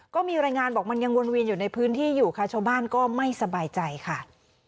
ก็มีรายงานบอกมันยังวนเวียนอยู่ในพื้นที่อยู่ค่ะชาวบ้านก็ไม่สบายใจค่ะ